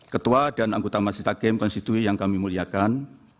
ketua dan anggota masjid hakim konstitu yang kami muliakan